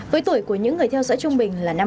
với tuổi của những người theo dõi trung bình là năm mươi